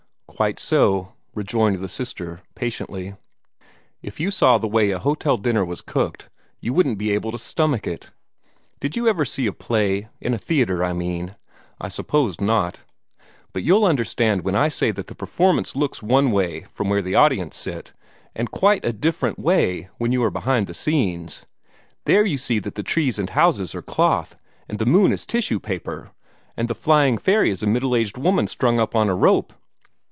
"Quite so," rejoined the sister, patiently. "If you saw the way a hotel dinner was cooked, you wouldn't be able to stomach it. Did you ever see a play? In a theatre, I mean. I supposed not. But you'll understand when I say that the performance looks one way from where the audience sit, and quite a different way when you are behind the scenes. THERE you see that the trees and houses are cloth, and the moon is tissue paper, and the flying fairy is a middle aged woman strung up on a rope.